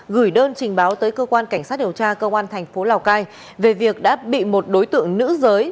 gửi đơn trình báo tới cơ quan cảnh sát điều tra cơ quan tp lào cai về việc đã bị một đối tượng nữ giới